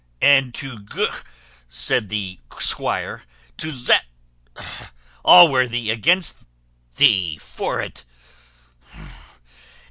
"And to gu," said the squire, "to zet Allworthy against thee vor it!